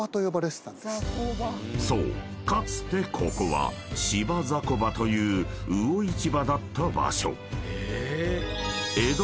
かつてここは芝雑魚場という魚市場だった場所］